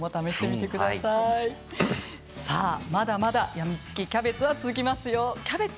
まだまだやみつきキャベツは続きます。